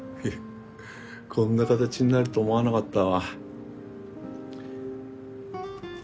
こんな形になると思わなかったわ。